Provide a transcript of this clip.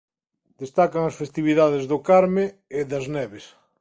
Destacan as festividades do Carmen e das Neves.